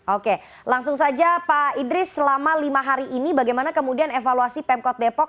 oke langsung saja pak idris selama lima hari ini bagaimana kemudian evaluasi pemkot depok